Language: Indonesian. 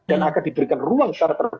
dan akan diberikan ruang